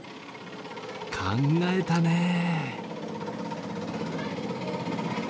考えたねえ。